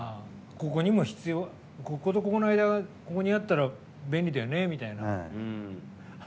こことここの間がここにあったら便利だよねみたいな。